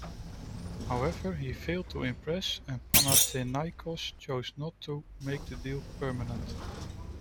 However, he failed to impress, and Panathinaikos chose not to make the deal permanent.